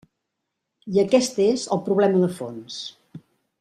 I aquest és el problema de fons.